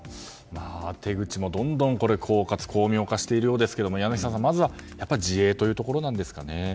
手口もどんどん巧妙化しているようですけど柳澤さん、まずは自衛ということなんですかね。